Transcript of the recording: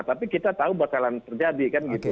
tapi kita tahu bakalan terjadi kan gitu